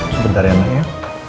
sebentar ya anak ya